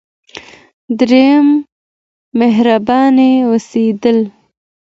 دریم: مهربانه اوسیدل.